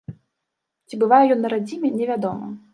Ці бывае ён на радзіме, невядома.